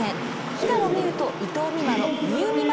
平野美宇と伊藤美誠のみうみま